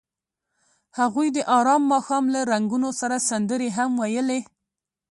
هغوی د آرام ماښام له رنګونو سره سندرې هم ویلې.